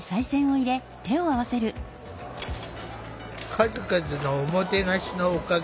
数々のおもてなしのおかげで。